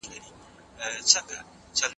په لاس لیکلنه د نوښت لپاره زمینه برابروي.